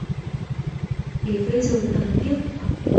Để bây giờ thầm tiếc